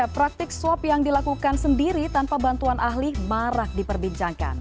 praktik swab yang dilakukan sendiri tanpa bantuan ahli marak diperbincangkan